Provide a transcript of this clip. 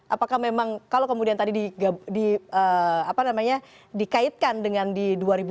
apakah memang kalau kemudian tadi dikaitkan dengan di dua ribu dua puluh